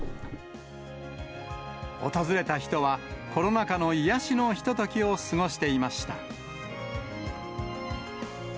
訪れた人は、コロナ禍の癒やしのひとときを過ごしていました。